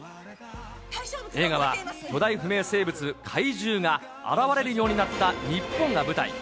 映画は巨大不明生物、禍威獣が、現れるようになった日本が舞台。